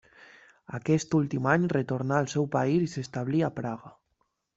Aquest últim any retornà al seu país i s'establí a Praga.